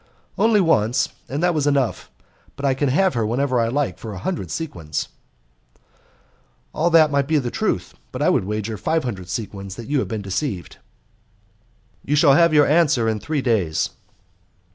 "Only once and that was enough, but I can have her whenever I like for a hundred sequins." "All that may be the truth, but I would wager five hundred sequins that you have been deceived." "You shall have your answer in three days."